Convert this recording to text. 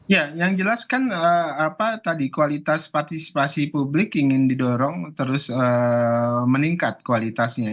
ya yang jelas kan apa tadi kualitas partisipasi publik ingin didorong terus meningkat kualitasnya